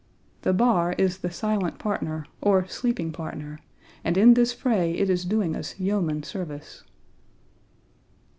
The bar is the silent partner, or sleeping partner, and in this fray it is doing us yeoman service.